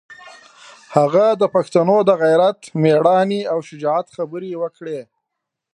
هغه د پښتنو د غیرت، مېړانې او شجاعت خبرې وکړې.